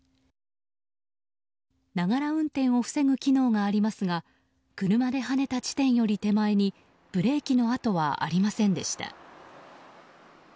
運転を防ぐ機能がありますが車ではねた地点より手前にブレーキの跡はありませんでした。